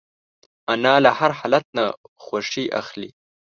انا له هر حالت نه خوښي اخلي